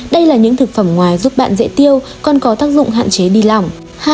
đây là những thực phẩm ngoài giúp bạn dễ tiêu còn có tác dụng hạn chế đi lỏng